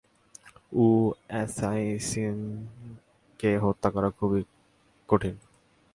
উ assassins কে হত্যা করা খুবই কঠিন।